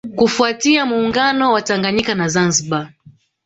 Kufuatia muunganiko wa Tanganyika na Zanzibar